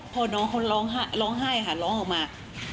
พอน้องเขาร้องไห้ค่ะร้องออกมา